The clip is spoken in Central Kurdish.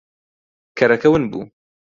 کەرەکە ون بوو.